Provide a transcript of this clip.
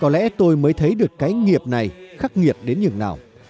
với các anh có lẽ tôi mới thấy được cái nghiệp này khắc nghiệt đến những nào